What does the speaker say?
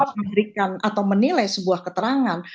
memberikan atau menilai sebuah keterangan